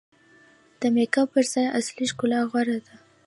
د میک اپ پر ځای اصلي ښکلا غوره ده.